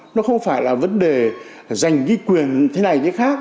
nó không phải là vấn đề giành ghi quyền thế này thế khác